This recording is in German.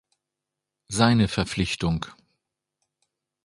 Seine Verpflichtung.